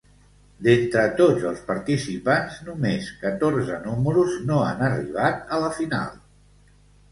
D'entre tots els participants només catorze números no han arribat a la final.